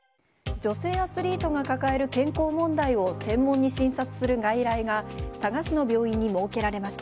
女性アスリートが抱える健康問題を専門に診察する外来が佐賀市の病院に設けられました。